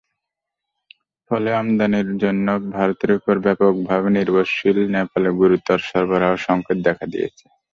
ফলে আমদানির জন্য ভারতের ওপর ব্যাপকভাবে নির্ভরশীল নেপালে গুরুতর সরবরাহ-সংকট দেখা দিয়েছে।